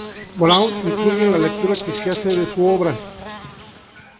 Brown" influyen en la lectura que se hace de su obra.